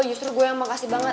justru gue yang makasih banget